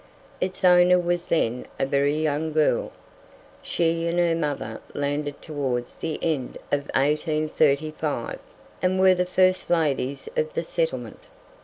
Its owner was then a very young girl. She and her mother landed towards the end of 1835, and were the first ladies of "the settlement."